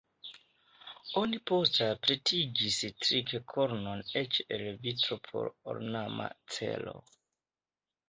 Oni poste pretigis trink-kornon eĉ el vitro por ornama celo.